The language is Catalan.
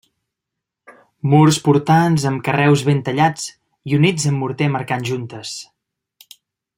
Murs portants amb carreus ben tallats i units amb morter marcant juntes.